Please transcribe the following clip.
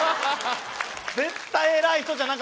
絶対偉い人じゃん。